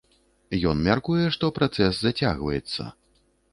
Ён мяркуе, што працэс зацягваецца.